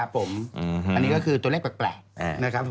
อันนี้ก็คือตัวเลขแปลก